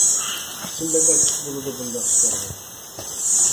ئىچىم بەك ئاچچىق بولىدۇ بۇنداق ئىشلارغا.